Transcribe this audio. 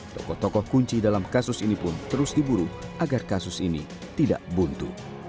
tokoh tokoh kunci dalam kasus ini pun terus diburu agar kasus ini tidak buntu